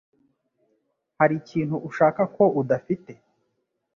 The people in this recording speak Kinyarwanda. Hari ikintu ushaka ko udafite